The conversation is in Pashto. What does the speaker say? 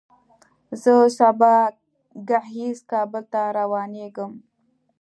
زه سبا ګهیځ کابل ته روانېږم.